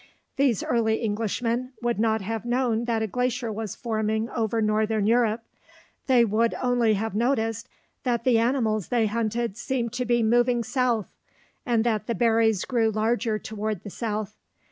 These early Englishmen would not have known that a glacier was forming over northern Europe. They would only have noticed that the animals they hunted seemed to be moving south, and that the berries grew larger toward the south.